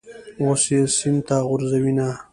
اوس یې سین ته غورځوینه.